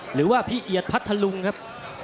หรือว่าพี่เอียดพัทธลุงครับ